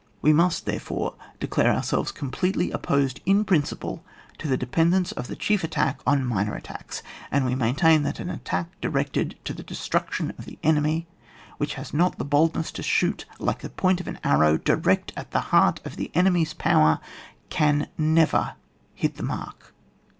We must, therefore, declare ourselves completely opposed in principle to the dependence of the chief attack on minor attacks, and we maintain that an attack directed to the destruction of the enemy which has not the boldness to shoot, like the point of an arrow, direct at the heart of the enemy's power, can never hit the mark.